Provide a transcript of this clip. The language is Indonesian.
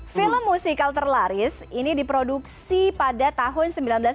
film musikal terlaris ini diproduksi pada tahun seribu sembilan ratus sembilan puluh